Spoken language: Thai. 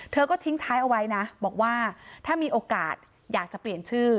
เธอก็ทิ้งท้ายเอาไว้นะบอกว่าถ้ามีโอกาสอยากจะเปลี่ยนชื่อ